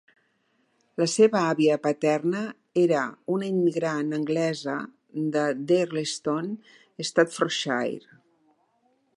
La seva àvia paterna era una immigrant anglesa de Darlaston, Staffordshire.